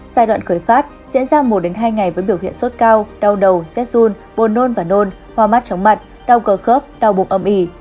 giai đoạn khởi phát diễn ra một hai ngày với biểu hiện sốt cao đau đầu xét run bồ nôn và nôn hoá mắt chóng mặt đau cơ khớp đau bụng âm ỉ